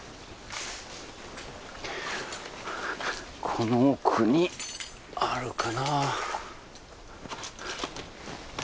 この奥にあるかな。